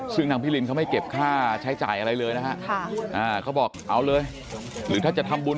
ซึ่งนางพิรินเขาไม่เก็บค่าใช้จ่ายอะไรเลยนะฮะเขาบอกเอาเลยหรือถ้าจะทำบุญ